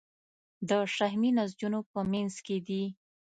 د شحمي نسجونو په منځ کې دي.